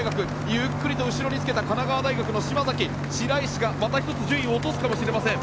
ゆっくりと後ろにつけた神奈川大学の白石がまた１つ順位を落とすかもしれません。